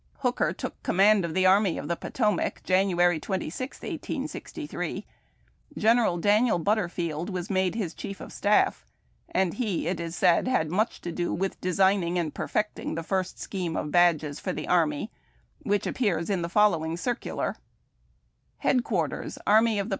Hooker took command of the Army of the Potomac Jan. 26, 1863. Gen eral Daniel Butterfield was made his chief of staff, and he, it is said, had much to do with designing and perfecting the first scheme of badges for the army, which appears in the following circular :— 258 HARD TACK AND COFFEE.